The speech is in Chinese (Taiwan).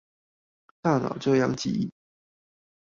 大腦這樣記憶